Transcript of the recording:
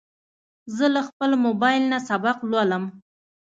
زه له خپل موبایل نه سبق لولم.